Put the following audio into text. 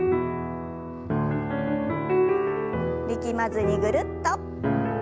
力まずにぐるっと。